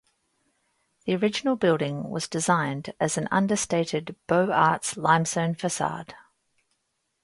The original building was designed as an understated Beaux-Arts limestone facade.